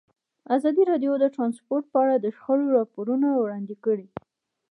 ازادي راډیو د ترانسپورټ په اړه د شخړو راپورونه وړاندې کړي.